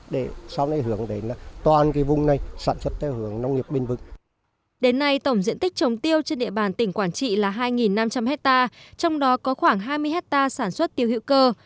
đến nay tổng diện tích trồng tiêu trên địa bàn tỉnh quảng trị là hai năm trăm linh hectare trong đó có khoảng hai mươi hectare sản xuất tiêu hữu cơ